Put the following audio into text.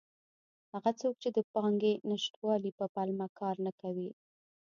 هغه څوک چې د پانګې نشتوالي په پلمه کار نه کوي.